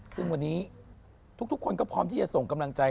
ซึ่งวันนี้ทุกคนก็พร้อมที่จะส่งกำลังใจ